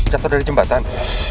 jatuh dari jembatan